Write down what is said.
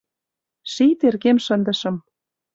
Ший теркем шындышым